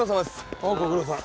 ああご苦労さん。